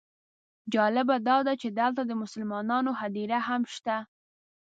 جالبه داده چې دلته د مسلمانانو هدیره هم شته.